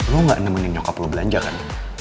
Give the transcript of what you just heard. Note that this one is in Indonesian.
lo gak nemenin nyokap lo belanja kan